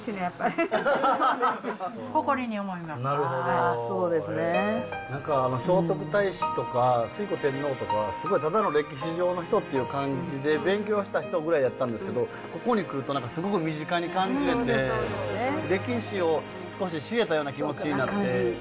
あそうですね。何か聖徳太子とか推古天皇とかすごいただの歴史上の人っていう感じで勉強をした人ぐらいやったんですけどここに来ると何かすごく身近に感じれて歴史を少し知れたような気持ちになって。